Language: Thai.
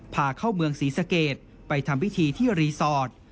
พาเข้าเมืองศรีสะเกดไปทำพิธีที่รีสอร์ท